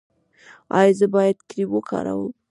ایا زه باید کریم وکاروم؟